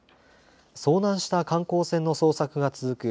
遭難した観光船の捜索が続く